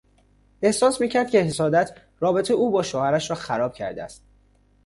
احساس میکرد که حسادت رابطهی او با شوهرش را خراب کرده است.